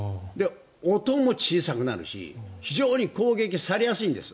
音も小さくなるし非常に攻撃されやすいんです。